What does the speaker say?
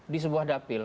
di sebuah dapil